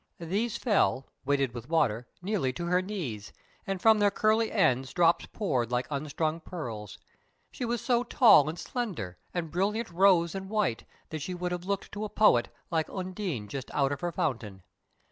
These fell weighted with water nearly to her knees, and from their curly ends drops poured like unstrung pearls. She was so tall and slender, and brilliant rose and white, that she would have looked to a poet like Undine just out of her fountain.